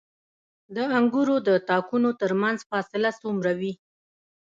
د انګورو د تاکونو ترمنځ فاصله څومره وي؟